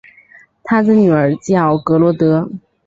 他的女儿叫格萝德。